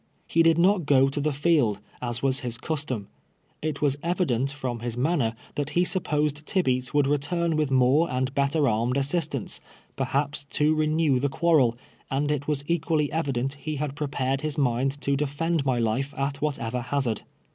He did not go to the field, as was his custom. It was evident from his man ner that he supposed Tibeats would return with more and better armed assistance, perhaps, to renew the quarrel, and it was equally evident he had prepared his mind to defend my life at whatever hazard.